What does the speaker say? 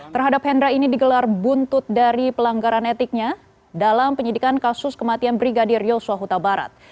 terhadap hendra ini digelar buntut dari pelanggaran etiknya dalam penyidikan kasus kematian brigadir yosua huta barat